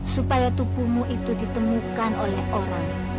supaya tubuhmu itu ditemukan oleh orang